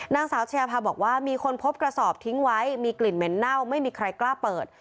นางสาวชายาพาบอกว่ามีคนพบกระสอบทิ้งไว้มีกลิ่นเหม็นเน่าไม่มีใครกล้าเปิด